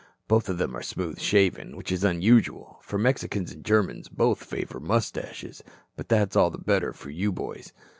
Both of them are smooth shaven, which is unusual, for Mexicans and Germans both favor mustaches. But that's all the better for you boys.